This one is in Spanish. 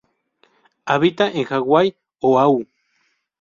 Habita en Hawái, Oahu.